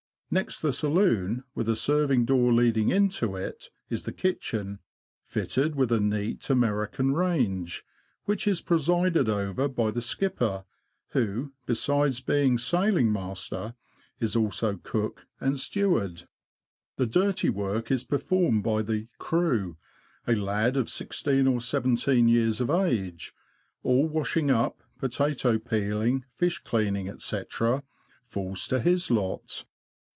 Next the saloon, with a serving door leading into it, is the kitchen, fitted with a neat American range, which is presided over by the skipper, who, besides being sailing master, is also cook and stewards 14 THE LAND OF THE BROADS. The dirty work is performed by the '' crew ''— a lad of sixteen or seventeen years of age. All washing up, potato peeling, fish cleaning, &c., falls to his lot.